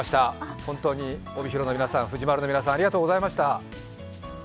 本当に、帯広の皆さん藤丸の皆さんありがとうございました。